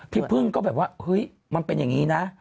พี่พึ่งก็แบบว่าเฮ้ยมันเป็นอย่างนี้นะ